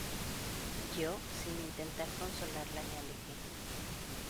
yo, sin intentar consolarla me alejé.